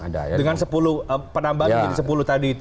dengan penambahan sepuluh tadi itu